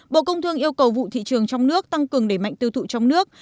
bộ công thương yêu cầu vụ thị trường trong nước tăng cường đẩy mạnh tiêu thụ trong nước